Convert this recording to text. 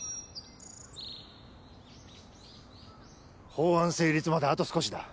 法案成立まであと少しだ。